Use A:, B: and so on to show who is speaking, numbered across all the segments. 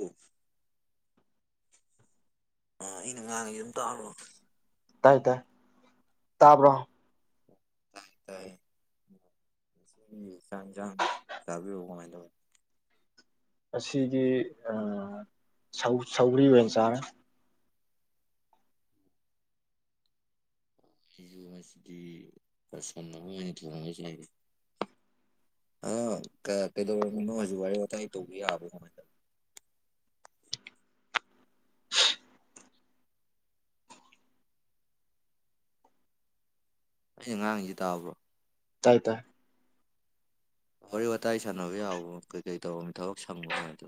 A: ꯍ ꯑ ꯑꯩꯅ ꯉꯥꯡꯉꯁꯨ ꯑꯗꯨꯝ ꯇꯥꯂꯣ
B: ꯇꯥꯏ ꯇꯥꯏ ꯇꯥꯞ꯭ꯔꯣ
A: ꯇ ꯇꯥꯏ ꯁꯥꯟꯖ ꯆꯕꯤ ꯀꯥꯏꯗ
B: ꯑꯁꯤꯒꯤꯗꯤ ꯁꯧ꯭ꯔꯤ ꯑꯣꯏꯅ ꯆꯥꯔꯦ
A: ꯑꯩꯁꯨ ꯃꯁꯤꯗꯤ ꯄꯁꯅꯤ ꯊꯁ ꯑ ꯀꯩꯗꯧꯔꯅꯣ ꯍꯧꯖꯤ ꯋꯥꯔꯤ ꯋꯥꯇꯥꯏ ꯇꯧꯕ ꯌꯥꯕ ꯀꯃ ꯑꯩꯁ ꯑꯉꯥꯡꯁꯤ ꯇꯥꯕ꯭ꯔꯣ
B: ꯇꯥꯏ ꯇꯥꯏ
A: ꯋꯥꯔꯤ ꯋꯥꯇꯥꯏ ꯁꯥꯟꯅꯕ ꯌꯥꯎꯕ ꯀꯩꯀꯩ ꯇꯧꯔꯝꯃꯤ ꯊꯕꯛ ꯁꯪꯕ ꯀꯃꯥꯏ ꯇ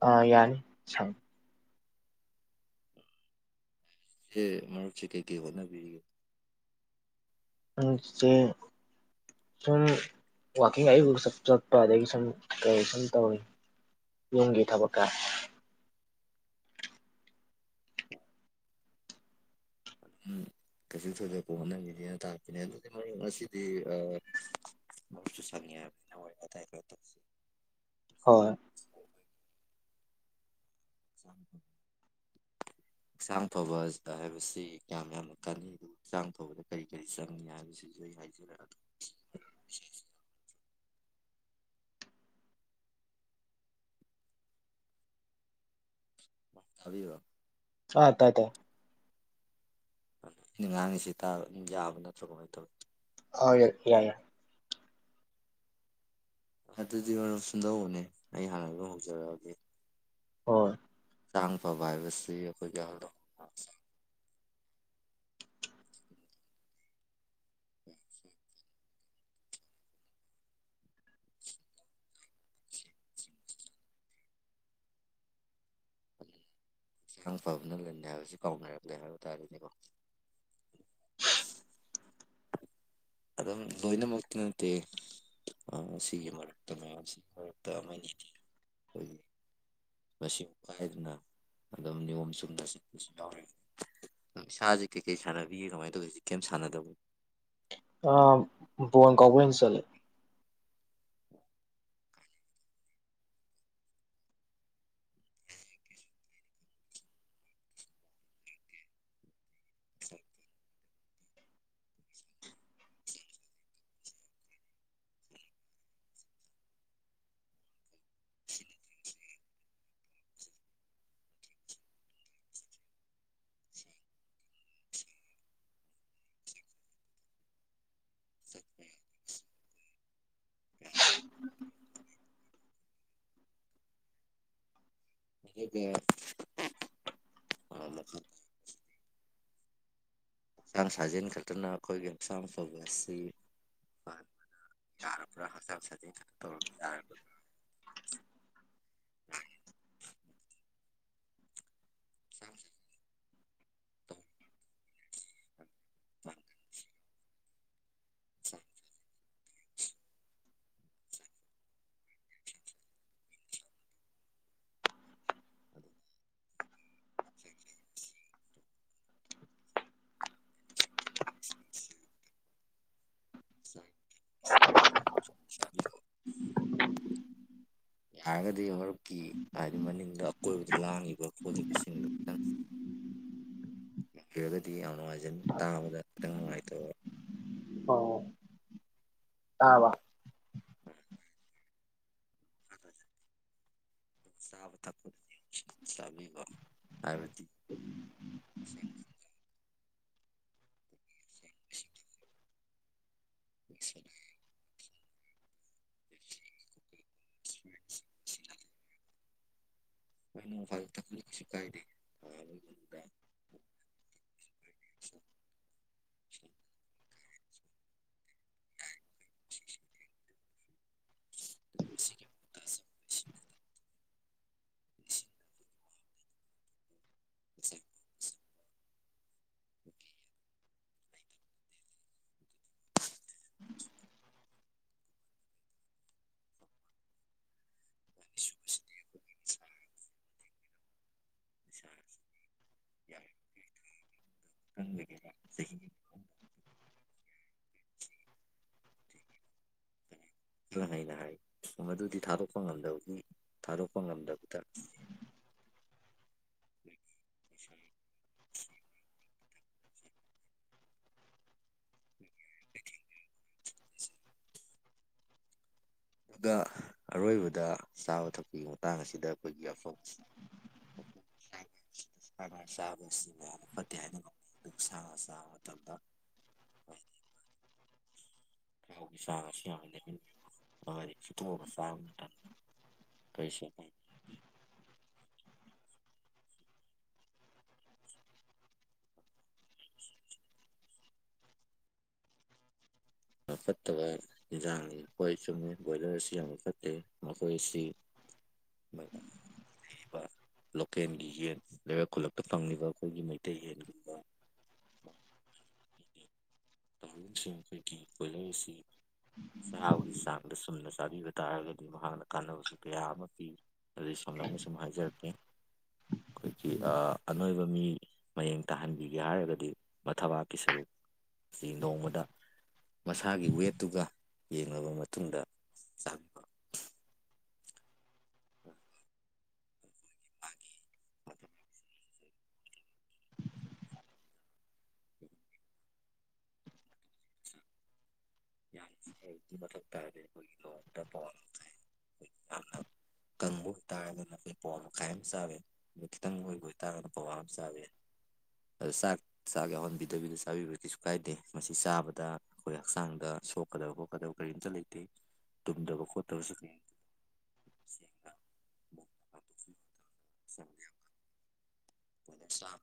B: ꯑ ꯌꯥꯅꯤ ꯁꯪ
A: ꯍꯦ ꯃꯔꯔꯨꯞꯁꯤ ꯀꯩ ꯀꯩ ꯋꯥ ꯅ ꯄꯤ
B: ꯑꯁ ꯁꯨꯝ ꯋꯥꯛꯀꯤꯡ ꯑꯌꯨꯕꯨ ꯆꯠꯄ ꯑꯗꯒꯤ ꯁꯨꯝ ꯀꯔꯤ ꯁꯨꯝ ꯇꯧꯋꯤ ꯌꯦꯨꯝꯒꯤ ꯊꯕꯛꯀ
A: [unintelligible] ꯎꯝ ꯀꯩꯁꯨ ꯊꯣꯏꯗꯣꯛꯄ ꯍꯣꯠꯅꯈꯤꯗꯦꯅ bꯇꯥꯛꯇꯅꯦ ꯑꯗꯨꯗꯤ ꯉꯁꯤꯗꯤ ꯑ ꯃꯁꯨ ꯆ ꯇꯔ
B: ꯍꯣꯏ
A: [unintelligible] ꯍꯛꯆꯥꯡ ꯐꯕ ꯍꯥꯏꯕꯁꯤ ꯀꯌꯥꯝ ꯌꯥꯝꯅ ꯀꯅꯤ ꯑꯗꯨꯒ ꯍꯛꯆꯥꯡ ꯐꯕꯗ ꯀꯔꯤ ꯀꯔꯤ ꯆꯪꯏ ꯍꯥꯏꯕꯁꯤꯁꯨ ꯍꯥꯏ ꯐꯕꯤꯕ
B: ꯑꯥ ꯇ ꯇ
A: ꯉꯥꯡꯉꯤꯁꯤ ꯌꯥꯕ ꯅꯠꯇ꯭ꯔꯣ ꯀꯃꯥꯏꯅ ꯇꯧꯋꯤ
B: ꯑ ꯌꯦ ꯌꯥꯅꯦ
A: ꯑꯗꯨꯗꯤ ꯃꯔꯝ ꯁꯨꯝꯗꯧꯕꯅꯦ ꯑꯩ ꯍꯥꯟꯅ ꯑꯗꯨꯝ ꯍꯧꯖꯔꯛꯑꯒꯦ
B: ꯍꯣꯏ
A: ꯇꯥꯡ ꯐꯕ ꯍꯥꯏ ꯁꯤ ꯑꯩꯈꯣꯏꯒꯤꯔꯛ ꯑ ꯏꯥꯡ ꯐꯕꯅꯜꯂꯅꯤ ꯍꯥꯏꯕꯕꯁꯤ ꯀꯥꯎꯅꯔꯛꯂꯦ ꯍꯥꯏꯕ ꯇꯥꯔꯅꯦꯀꯣ ꯑꯗꯨꯝ ꯂꯣꯏꯅꯃꯛꯇꯤ ꯅꯠꯇꯦ ꯑ ꯁꯤꯒꯤ ꯃꯔꯛꯇ ꯃꯌꯥꯝ ꯁꯤꯒꯤ ꯃꯔꯛꯇ ꯑꯃꯅꯤ ꯑꯩꯈꯒꯤ ꯃꯁꯤꯥꯏꯗꯅ ꯑꯗꯨꯝ ꯅꯤꯌꯣꯝ ꯆꯨꯝꯅ ꯆꯠꯄꯁꯨ ꯌꯥꯎꯔ ꯁꯥꯁꯤꯦ ꯀꯩꯀꯩ ꯁꯥꯟꯅꯕꯤꯒꯦ ꯀꯃꯥꯏꯅ ꯇꯧꯗꯣꯏꯁꯤ ꯀꯩꯝ ꯁꯥꯟꯅꯗꯕꯅ
B: ꯑ ꯐꯣꯟ ꯀꯥꯎꯄꯅ ꯆꯂꯦ
A: [unintelligible] ꯦ ꯍꯛꯆꯥꯡ ꯁꯥꯖꯦꯟ ꯈꯛꯇꯅ ꯑꯩꯈꯣꯏꯒꯤ ꯍꯛꯆꯥꯡ ꯐꯕ ꯑꯁꯤ ꯐ ꯌꯥꯔꯔ ꯍꯁꯁ ꯇꯧ ꯌꯥꯔ [unintelligible] ꯑ
B: [unintelligible] [unintelligible]
A: ꯌꯥꯔꯒꯗꯤ ꯍꯧꯔꯛꯀꯤ ꯍꯥꯏꯗꯤ ꯃꯅꯤꯡꯗ ꯑꯀꯣꯏꯕꯗ ꯂꯥꯡꯉꯤꯕ ꯈꯣꯠꯂꯤꯕꯁꯤꯡꯗꯨ ꯈꯤꯇꯪ ꯔꯒꯗꯤ ꯌꯥꯝ ꯅꯨꯡꯉꯥꯏꯖꯅꯤ ꯇꯥꯕꯗ ꯈꯤꯇꯪ ꯅꯨꯡꯉꯥꯏꯇꯕ
B: ꯑꯣ ꯑꯥ ꯋꯥ
A: ꯑ ꯑ ꯆꯥꯕ ꯊꯛꯄꯗ ꯆꯥꯕꯤꯕ ꯍꯥꯏꯕꯗꯤ ꯑ [unintelligible] [inaudible] [inaudible] ꯃꯅ ꯐ ꯊꯁꯨ ꯀꯥꯏꯗꯤ [inaudible] ꯀ ꯑ ꯑꯁ ꯌꯥꯏ ꯪꯦꯔ ꯈꯔ ꯍꯥꯏꯩꯅ ꯍꯥꯏ ꯃꯗꯨꯗꯤ ꯊꯥꯗꯣꯛꯄ ꯉꯝꯗꯕꯒꯤ ꯊꯥꯗꯣꯛꯄ ꯉꯝꯗꯕꯗ [unintelligible] [inaudible] ꯏ ꯑꯗꯨꯒ ꯑꯔꯣꯏꯕꯗ ꯆꯥꯕ ꯊꯛꯄꯒꯤ ꯃꯇꯥꯡ ꯑꯁꯤꯗ ꯑꯩꯈꯣꯏꯒꯤ ꯑꯐ ꯑꯣ ꯊꯨ ꯁ ꯆꯥꯕꯕꯁꯤ ꯌꯥ ꯐꯠꯇꯦ ꯍꯥꯏꯅ ꯁꯅ ꯆꯥꯕ ꯃꯇꯝꯗ ꯀꯥꯎꯒꯤ ꯁꯥꯁꯤ ꯍꯣꯏ ꯆ ꯁ ꯄꯩꯁꯦ ꯀꯥꯏ ꯐꯠꯇꯕ ꯌꯦꯟꯁꯥꯡꯅꯤ ꯍꯣꯏ ꯆꯨꯝꯃꯤ ꯕꯣꯏꯂꯔ ꯑꯁꯤ ꯌꯥꯝꯅ ꯐꯠꯇꯦ ꯃꯈꯣꯏ ꯑꯁꯤ [unintelligible] ꯂꯣꯀꯦꯜꯒꯤ ꯌꯦꯟ ꯂꯩꯕꯥꯛ ꯈꯨꯜꯂꯛꯇ ꯐꯪꯂꯤꯕ ꯑꯩꯈꯣꯏꯒꯤ ꯃꯩꯇꯩ ꯌꯦꯟꯒꯨꯝꯕ [inaudible] ꯀꯣꯏꯂꯧꯁꯤ ꯆꯍꯥꯎꯒꯤ ꯆꯥꯡꯗ ꯁꯨꯝꯅ ꯆꯥꯕꯤꯕ ꯇꯥꯔꯒꯗꯤ ꯃꯍꯥꯛꯅ ꯀꯥꯟꯅꯕꯁꯨ ꯀꯌꯥ ꯑꯃ ꯄꯤ ꯑꯗꯨ ꯁꯝꯂꯞꯅ ꯁꯨꯝ ꯍꯥꯏꯖꯔꯛꯀꯦ ꯑꯩꯈꯣꯏꯒꯤ ꯑꯅꯣꯏꯕ ꯃꯤ ꯃꯌꯦꯡ ꯇꯥꯍꯟꯕꯤꯒꯦ ꯍꯥꯏꯔꯒꯗꯤ ꯃꯊꯕꯥꯛꯀꯤ ꯁꯔꯨꯛ ꯑꯁꯤ ꯅꯣꯡꯃꯗ ꯃꯁꯥꯒꯤ ꯋꯦꯠꯇꯨꯒ ꯌꯦꯡꯉꯕ ꯃꯇꯨꯡꯗ ꯆꯕ [inaudible] ꯌꯥꯊ ꯇꯦꯣꯏ ꯀꯪꯕ ꯑꯣꯏꯕꯇꯥꯔꯒꯅ ꯑꯩꯈꯣꯏ ꯄꯋꯥ ꯃꯈꯥꯏ ꯑꯃ ꯆꯥꯋꯦ ꯑ ꯈꯤꯇꯪ ꯑꯣꯏꯕ ꯑꯣꯏꯇꯥꯔꯒꯅ ꯄꯋꯥ ꯑꯃ ꯆꯥꯋ ꯑ ꯆꯥꯛ ꯆꯥꯛ ꯌꯥꯎꯍꯟꯕꯤꯗꯕꯤꯗ ꯆꯥꯕꯤꯕ ꯀꯩꯁꯨ ꯀꯥꯏꯗꯦ ꯃꯁꯤ ꯆꯥꯕꯗ ꯑꯩꯈꯣꯏ ꯍꯛꯆꯥꯡꯗ ꯁꯣꯛꯀꯗꯕ ꯈꯣꯠꯀꯗꯕ ꯀꯔꯤꯝꯇ ꯂꯩꯇꯦ ꯇꯨꯝꯗꯕ ꯈꯣꯠꯇꯕꯁꯨ ꯀꯔꯤ [inaudible] ꯀꯅ ꯁꯝꯅ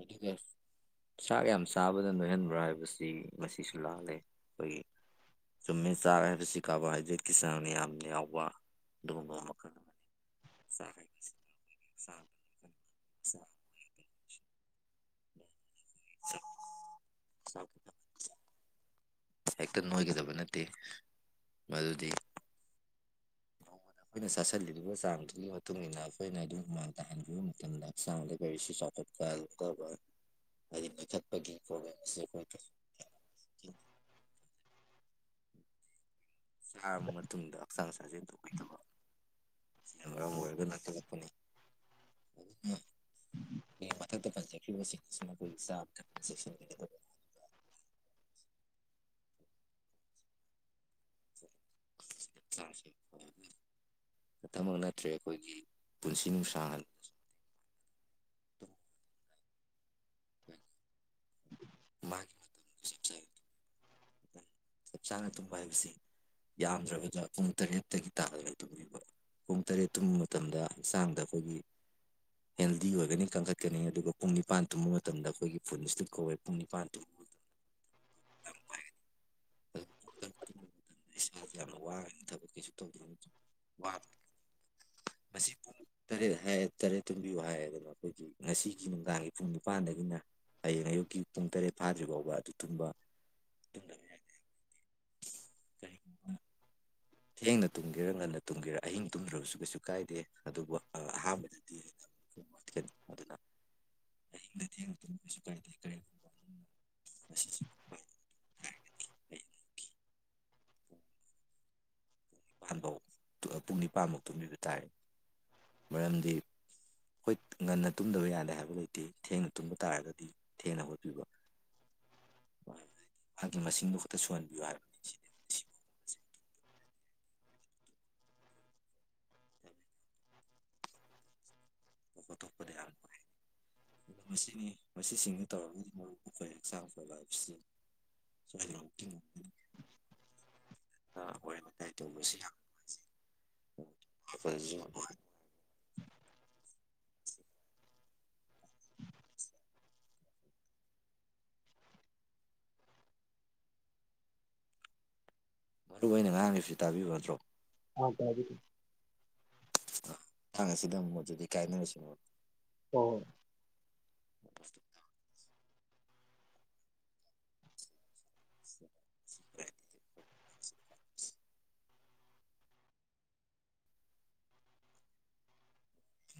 A: ꯑꯗꯨꯗ ꯆꯥꯛ ꯌꯥꯝ ꯆꯥꯕꯗ ꯅꯣꯏꯍꯟꯕ꯭ꯔꯥ ꯍꯥꯏꯕꯁꯤ ꯉꯁꯨ ꯂꯥꯛꯂꯦ ꯑꯩꯈꯣꯏꯒꯤ ꯆꯨꯝꯃꯤꯃꯦ ꯆꯥ ꯍꯥꯏꯕꯁꯤ ꯀꯥꯔꯕꯣꯍꯥꯏꯗ꯭ꯔꯦꯠꯀꯤ ꯆꯥꯡꯅ ꯌꯥꯝꯅ ꯌꯥꯎꯕ ꯑꯗꯨꯒꯨꯝꯕ ꯃꯈꯜ ꯑꯃꯅꯤ ꯁꯔꯥꯏ ꯁ ꯁ ꯍꯦꯛꯇ ꯅꯣꯏꯒꯗꯕ ꯅꯠꯇꯦ ꯃꯗꯨꯗꯤ ꯣ ꯑꯩꯈꯣꯏꯅ ꯆꯥꯁꯤꯜꯂꯤꯕ ꯆꯥꯡꯗꯨꯒꯤ ꯃꯇꯨꯡ ꯏ ꯃꯇꯨꯡꯏꯟꯅ ꯑꯩꯈꯣꯏꯅ ꯑꯗꯨꯝ ꯃꯃꯥꯡ ꯇꯥꯍꯟꯈꯤꯕ ꯃꯇꯝꯗ ꯍꯛꯆꯥꯡꯗ ꯒꯥꯔꯤꯁꯤ ꯆꯥꯎꯈꯠ ꯀ ꯀ ꯑꯗꯨ ꯄꯊꯠꯄꯒꯤ ꯄꯣꯕꯣꯏ ꯆꯥꯔꯕ ꯃꯇꯨꯡꯗ ꯍꯛꯆꯥꯡ ꯁꯥꯖꯦꯟ ꯇꯧꯕꯩꯗꯕ ꯃꯣꯗ ꯆꯤꯂꯄꯅꯤ ꯑꯩꯒꯤ ꯃꯊꯛꯇ ꯄꯟꯖꯈ꯭ꯔꯤꯕꯁꯤꯡ ꯑꯁꯤ ꯃꯈꯣꯏꯒꯤ ꯆꯥ ꯊꯛ ꯆꯦꯛꯁꯤꯟꯅꯤ [inaudible] ꯑ ꯛꯇꯃꯛ ꯅꯠꯇ꯭ꯔꯦ ꯑꯩꯈꯣꯏꯒꯤ ꯄꯨꯟꯁꯤ ꯅꯨꯡꯁꯥꯡ [unintelligible] [inaudible] [inaudible] ꯃꯥꯒꯤ ꯆꯞ ꯆꯥꯅ ꯇꯨꯝꯕ ꯍꯥꯏꯕꯁꯤ ꯌꯥꯝꯗ꯭ꯔꯕꯗ ꯄꯨꯡ ꯇꯔꯦꯠꯇꯒꯤ ꯇꯥꯜꯗꯒ ꯇꯨꯝꯃꯤꯕ ꯄꯨꯡ ꯇꯔꯦꯠ ꯇꯨꯝꯕ ꯃꯇꯝꯗ ꯍꯛꯆꯥꯡꯗ ꯑꯩꯈꯣꯏꯒꯤ ꯍꯦꯜꯗꯤ ꯑꯣꯏꯒꯅꯤ ꯀꯟꯈꯠꯀꯅꯤ ꯑꯗꯨꯒ ꯄꯨꯡ ꯅꯤꯄꯥꯟ ꯇꯨꯝꯕ ꯃꯇꯝꯗ ꯑꯩꯈꯣꯏꯒꯤ ꯐꯨꯟꯁꯤꯇ ꯀꯧꯋꯦ ꯄꯨꯡ ꯅꯤꯄꯥꯟꯨꯝꯕ [inaudible] [unintelligible] ꯎ ꯏꯁꯥꯁꯨ ꯌꯥꯝꯅ ꯋꯥꯉꯅ ꯊꯕꯛ ꯀꯩꯁꯨ ꯇꯧꯗꯕ ꯋꯥꯔ ꯃꯁꯤ ꯄꯨꯡ ꯇꯔꯦꯠ ꯍꯥꯏ ꯇꯔꯦꯠ ꯇꯨꯝꯕꯤꯌꯨ ꯍꯥꯏꯗꯅ ꯑꯩꯈꯣꯏꯒꯤ ꯉꯁꯤꯒꯤ ꯅꯨꯡꯗꯥꯡꯒꯤ ꯄꯨꯡ ꯅꯤꯄꯥꯟꯗꯒꯤꯅ ꯍꯌꯦꯡ ꯑꯌꯨꯛꯀꯤ ꯄꯨꯡ ꯇꯔꯦꯠ ꯐꯥꯗ꯭ꯔꯤ ꯐꯥꯎꯕ ꯑꯗꯨ ꯇꯨꯝꯕꯨꯝꯕ ꯀ ꯊꯦꯡꯅ ꯇꯨꯝꯒꯦꯔꯥ ꯉꯟꯅ ꯇꯨꯝꯒꯦꯔꯥ ꯑꯍꯤꯡ ꯇꯨꯝꯗ꯭ꯔꯕꯁꯨ ꯀꯩꯁꯨ ꯀꯥꯏꯗꯦ ꯑꯗꯨꯕꯨ ꯑꯍꯥꯟꯕꯗꯗꯤ ꯑꯗꯨꯅ ꯑꯍꯤꯡꯗꯗꯤ ꯀꯩꯁꯨ ꯀꯥꯏꯗꯦ [inaudible] [unintelligible] [inaudible] [unintelligible] ꯥꯟꯐꯧ ꯄꯨꯡ ꯅꯤꯄꯥꯟꯃꯨ ꯇꯨꯝꯕꯤꯕ ꯇꯥꯔꯦ ꯃꯔꯝꯗꯤ ꯍꯣꯏ ꯉꯟꯅ ꯇꯨꯝꯗꯕ ꯌꯥꯗꯦ ꯍꯥꯏꯕ ꯂꯩꯇꯦ ꯊꯦꯡꯅ ꯇꯨꯝꯕ ꯇꯥꯔꯒꯗꯤ ꯊꯦꯡꯅ ꯍꯣꯠꯄꯤꯕ [inaudible] ꯃꯥꯒꯤ ꯃꯁꯤꯡꯗꯨ ꯈꯛꯇ ꯁꯨꯍꯟꯕꯤꯌꯨ ꯆꯠꯄ ꯊꯣꯛꯄꯗ ꯌꯥꯝ ꯄꯨꯔꯛꯑꯦ ꯑꯗ ꯃꯁꯤꯅꯤ ꯃꯁꯤꯁꯤꯡꯁꯤ ꯇꯧꯔꯒꯗꯤ ꯃꯔꯨꯞ ꯑꯩꯈꯣꯏ ꯍꯛꯆꯥꯡ ꯐꯕꯕꯁꯤ [inaudible] [unintelligible] ꯑꯥ ꯋꯥꯔꯤ ꯋꯇꯥꯏ ꯇꯧꯕꯁꯤ ꯌꯥꯝ ꯅꯨꯡꯉꯥꯏꯖꯩ ꯑ [unintelligible] ꯃꯔꯨ ꯑꯣꯏꯅ ꯉꯥꯡꯉꯤꯕꯁꯤ ꯇꯥꯕꯤꯌꯨ ꯌꯥꯗ꯭ꯔꯣ
B: ꯑ ꯇꯕꯤ
A: ꯃꯇꯥꯡ ꯑꯁꯤꯗ ꯑꯃꯨꯛ ꯃꯗꯨꯗꯤ ꯀꯥꯏꯅꯔꯁꯤꯅꯦ ꯃꯔꯨꯞ
B: ꯎꯝ
A: [inaudible] [unintelligible] [inaudible] [unintelligible]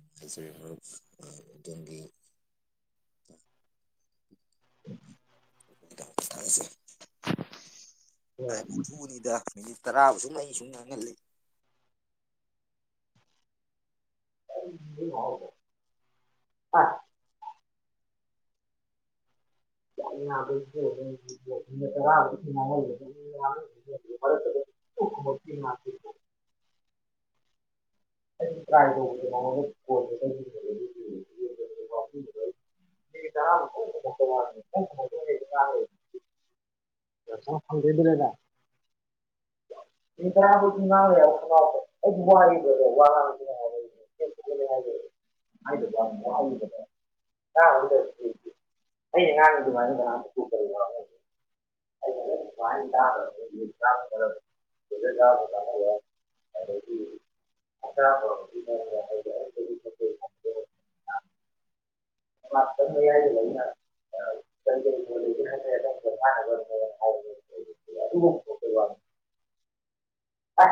A: ꯅꯨꯡꯉꯥꯏꯖꯔꯦ ꯃꯔꯨꯞ ꯑꯗꯣꯝꯒꯤ ꯀ ꯊꯁꯦ
B: ꯍꯣꯏ
A: [unintelligible]
B: ꯍꯣꯏ
A: ꯊꯗ [unintelligible] ꯇꯔꯥꯕꯨꯁꯨ ꯑꯩ ꯁꯨꯝ ꯉꯥꯡꯍꯜꯂꯤ
B: ꯑ [unintelligible] [inaudible] [unintelligible] ꯍꯣꯀꯤ ꯃꯥꯊ [unintelligible]
A: [inaudible] [unintelligible]
B: ꯇ꯭ꯔꯥꯏ ꯇꯉꯣꯟꯗ [unintelligible] [inaudible] [unintelligible] [unintelligible] ꯅ ꯐꯪꯖꯗ [unintelligible] ꯂꯩꯗ [unintelligible] ꯑ [unintelligible] ꯑꯩ ꯉ ꯅ ꯑꯗꯨ ꯃꯥꯅꯤ [unintelligible]
A: [inaudible] [unintelligible]
B: ꯔ ꯀꯝ [unintelligible]
A: ꯑ [unintelligible]
B: ꯑ
A: ꯑ
B: [unintelligible]
A: [unintelligible]
B: ꯌꯥ ꯂꯩ [unintelligible] ꯍ [unintelligible] ꯑ